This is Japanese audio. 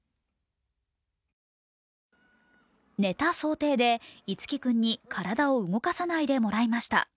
寝た想定で、樹輝君に体を動かさないでもらいました。